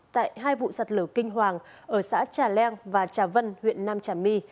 tại hai vụ sạt lở kinh hoàng ở xã trà leng và trà vân huyện nam trà my